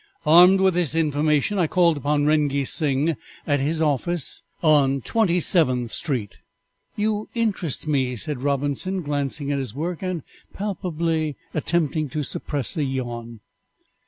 Armed with this information, I called upon Rengee Sing at his office on Twenty seventh street." "You interest me," said Robinson, glancing at his work, and palpably attempting to suppress a yawn.